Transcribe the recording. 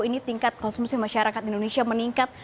ini tingkat konsumsi masyarakat indonesia meningkat